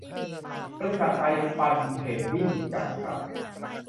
บริษัท ไตรบรรพเทรดดิ้ง จำกัด